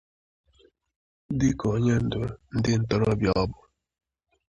dịka onye ndu ndị ntorobịa ọ bụ